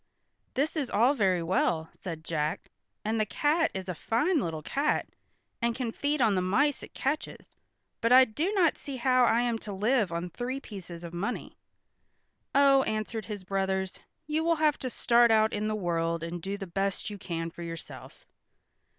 "This is all very well," said Jack, "and the cat is a fine little cat and can feed on the mice it catches, but I do not see how I am to live on three pieces of money." "Oh," answered his brothers, "you will have to start out in the world and do the best you can for yourself."